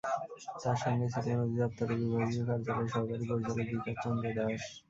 তাঁর সঙ্গে ছিলেন অধিদপ্তরের বিভাগীয় কার্যালয়ের সহকারী পরিচালক বিকাশ চন্দ্র দাশ।